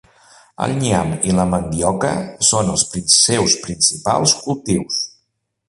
El nyam i la mandioca són els seus principals cultius.